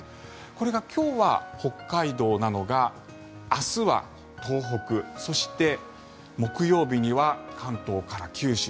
これが今日は北海道なのが明日は東北そして木曜日には関東から九州